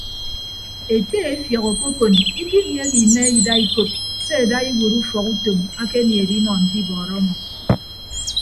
Ete efiọk okokon ikiniehe ime ida ikop se ada iwuot ufọk utom akenie edinọ nte ibọọrọ ọmọ.